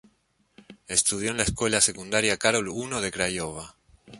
Estudió en la Escuela Secundaria Carol I de Craiova.